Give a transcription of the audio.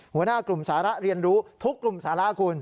หัวหน้ากลุ่มสาระเรียนรู้ทุกกลุ่มสาระคุณ